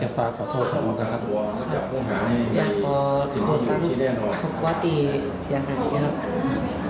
ครับแล้วแล้วแฟนเนี่ยคือเขาก็ได้เลิกกันไปได้นานหรือเปล่า